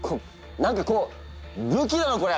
何かこう武器なんだろうこれ！